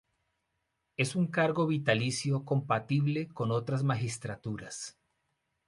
Es un cargo vitalicio compatible con otras magistraturas.